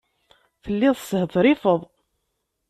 Telliḍ teshetrifeḍ.